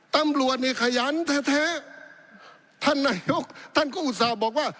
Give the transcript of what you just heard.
ตำรวจเนี่ยขยันแท้แท้ท่านนายกท่านก็อุตส่าห์บอกว่า